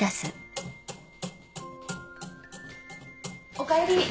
おかえり。